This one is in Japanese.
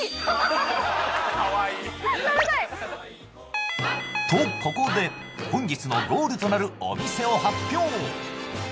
カワイイ食べたい！とここで本日のゴールとなるお店を発表